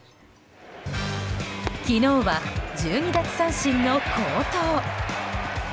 昨日は、１２奪三振の好投。